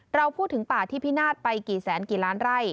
เราพูดถึงป่าที่พินาศไปกี่แสนกี่ล้านไร่